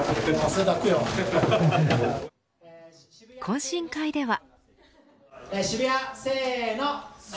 懇親会では。